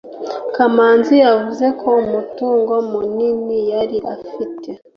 kamanzi yavuze ko umutungo munini yari afite